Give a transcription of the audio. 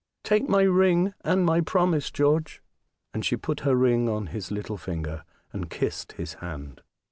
Take my ring and my promise, George." And she put her ring on his little finger and kissed his hand.